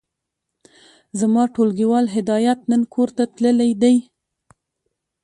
زما ټولګيوال هدايت نن کورته تللی دی.